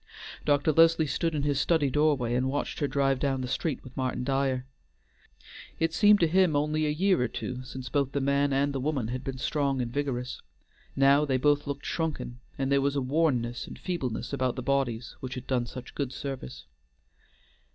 Dr. Leslie stood in his study doorway and watched her drive down the street with Martin Dyer. It seemed to him only a year or two since both the man and woman had been strong and vigorous; now they both looked shrunken, and there was a wornness and feebleness about the bodies which had done such good service.